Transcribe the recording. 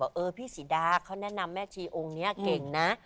บอกเออพี่สิดาเขาแนะนำแม่ชีองนี้เก่งนะ